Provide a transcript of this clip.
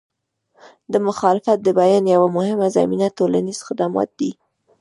د مخالفت د بیان یوه مهمه زمینه ټولنیز خدمات دي.